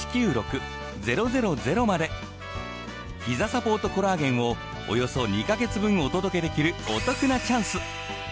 ひざサポートコラーゲンをおよそ２ヵ月分お届けできるお得なチャンス。